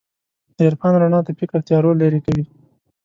د عرفان رڼا د فکر تیارو لېرې کوي.